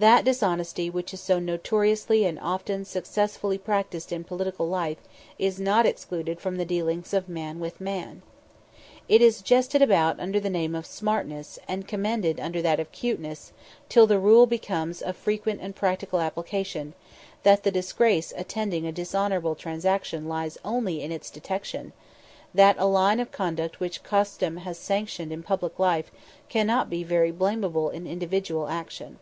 That dishonesty which is so notoriously and often successfully practised in political life is not excluded from the dealings of man with man. It is jested about under the name of "smartness," and commended under that of "cuteness," till the rule becomes of frequent and practical application, that the disgrace attending a dishonourable transaction lies only in its detection, that a line of conduct which custom has sanctioned in public life cannot be very blameable in individual action.